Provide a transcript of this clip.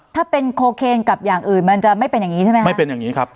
ถ้าเป็นโคเคนกับอย่างอื่นมันจะไม่เป็นอย่างงี้ใช่ไหมครับไม่เป็นอย่างงี้ครับ